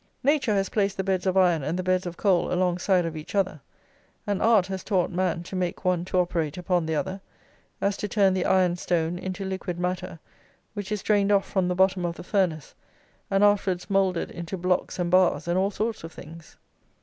Nature has placed the beds of iron and the beds of coal alongside of each other, and art has taught man to make one to operate upon the other, as to turn the iron stone into liquid matter, which is drained off from the bottom of the furnace, and afterwards moulded into blocks and bars, and all sorts of things.